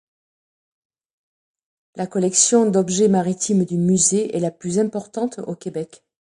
La collection d'objets maritimes du musée est la plus importante au Québec.